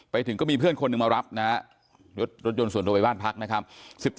ไปถึงก็มีเพื่อนคนหนึ่งมารับนะฮะรถยนต์ส่วนตัวไปบ้านพักนะครับ